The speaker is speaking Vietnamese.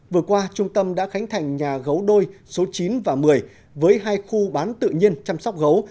vừa qua trung tâm đã khánh thành nhà gấu đôi số chín và một mươi với hai khu bán tự nhiên chăm sóc gấu